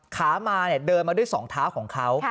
ขามาเดินมาด้วยสองเท้าของเขา